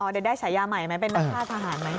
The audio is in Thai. อ๋อเดี๋ยวได้ฉายาใหม่เป็นนักฆ่าทหารไหม